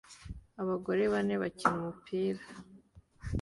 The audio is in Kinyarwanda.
Abagore bane bakina umupira